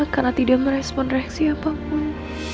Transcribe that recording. karena tidak merespon reaksi apapun